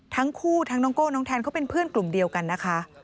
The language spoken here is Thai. ทั้งคู่ทั้งน้องโก้น้องแทนเขาเป็นเพื่อนกลุ่มเดียวกันนะคะ